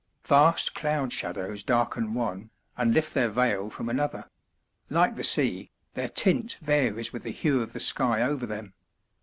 Vast cloud shadows darken one, and lift their veil from another; like the sea, their tint varies with the hue of the sky over them.